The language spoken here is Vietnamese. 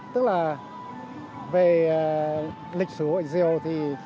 tức là về lịch sử hội diều thì